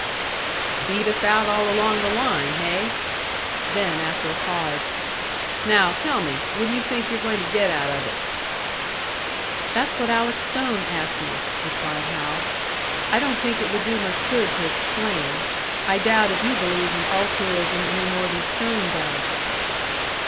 "Beat us out all along the line, hey?" Then, after a pause, "Now, tell me, what do you think you're going to get out of it?" "That's what Alec Stone asked me," replied Hal. "I don't think it would do much good to explain. I doubt if you believe in altruism any more than Stone does."